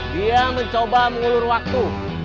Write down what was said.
dia mencoba mengulur waktu